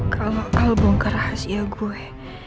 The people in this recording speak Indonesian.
kalau al bongkar rahasia gue